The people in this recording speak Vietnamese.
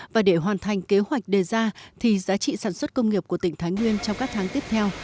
và để hoàn thành kế hoạch đề ra thì giá trị sản xuất công nghiệp của tỉnh thái nguyên trong các tháng tiếp theo